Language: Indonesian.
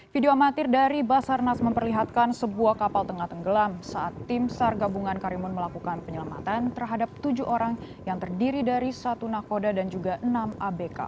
video amatir dari basarnas memperlihatkan sebuah kapal tengah tenggelam saat tim sar gabungan karimun melakukan penyelamatan terhadap tujuh orang yang terdiri dari satu nakoda dan juga enam abk